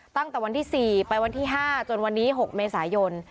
ตั้งแต่วันที่๔ไปวันที่๕จนวันนี้๖เมษายน